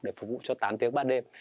để phục vụ cho tám tiếng ban đêm